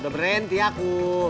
udah berhenti aku